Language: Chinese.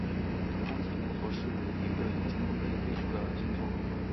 安提诺座是一个已经被废除的星座。